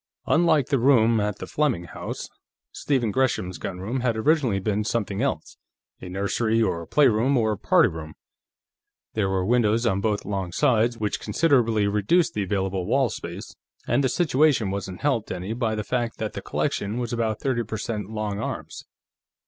Unlike the room at the Fleming home, Stephen Gresham's gunroom had originally been something else a nursery, or play room, or party room. There were windows on both long sides, which considerably reduced the available wall space, and the situation wasn't helped any by the fact that the collection was about thirty per cent long arms.